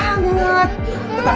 tetap sangat nanti kita taruh